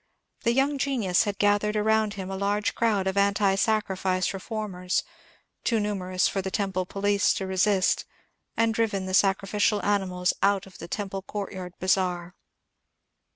The young genius had gathered around him a large crowd of anti sacrifice reformers, — too numerous for the temple police to resist, — and driven the sacrificial Awim^lg out of the temple courtyard bazaar.